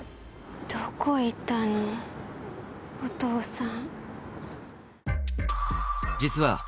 どこ行ったのお父さん。